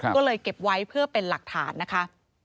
ก็เลยเก็บไว้เพื่อเป็นหลักฐานนะคะ